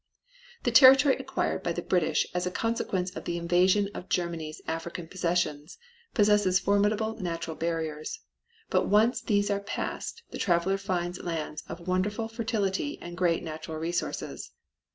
The territory acquired by the British as a consequence of the invasion of Germany's African possessions, possesses formidable natural barriers, but once these are past the traveller finds lands of wonderful fertility and great natural resources.